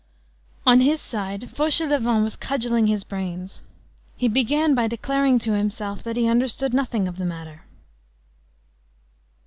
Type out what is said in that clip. On his side, Fauchelevent was cudgelling his brains. He began by declaring to himself that he understood nothing of the matter.